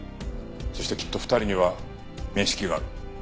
そしてきっと２人には面識がある。